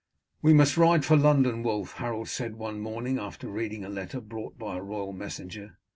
"We must ride for London, Wulf," Harold said one morning after reading a letter brought by a royal messenger.